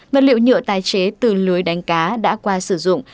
vật liệu nhựa tái chế từ lưới đánh cá đã qua sử dụng